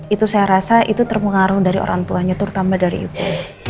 itu saya rasa itu terpengaruh dari orang tuanya terutama dari ibu